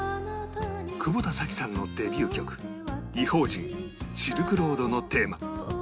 久保田早紀さんのデビュー曲『異邦人−シルクロードのテーマ−』